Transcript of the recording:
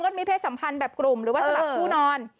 มีเพศสัมพันธ์แบบกลุ่มหรือว่าสลับผู้นอน